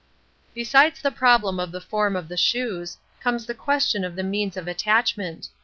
Besides the problem of the form of the shoes, comes the question of the means of attachment.